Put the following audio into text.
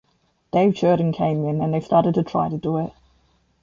Dave Jerden came in and they started to try to do it.